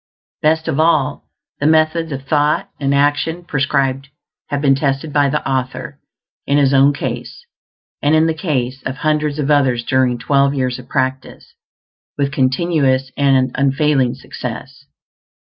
Best of all, the methods of thought and action prescribed have been tested by the author in his own case, and in the case of hundreds of others during twelve years of practice, with continuous and unfailing success.